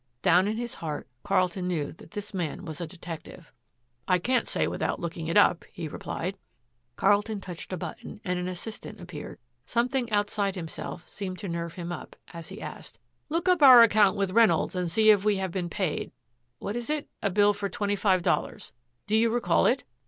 Down in his heart Carlton knew that this man was a detective. "I can't say without looking it up," he replied. Carlton touched a button and an assistant appeared. Something outside himself seemed to nerve him up, as he asked: "Look up our account with Reynolds, and see if we have been paid what is it? a bill for twenty five dollars. Do you recall it?"